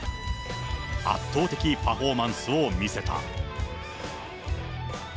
圧倒的パフォーマンスを見せた。